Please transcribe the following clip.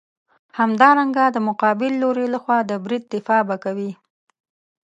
همدارنګه د مقابل لوري لخوا د برید دفاع به کوې.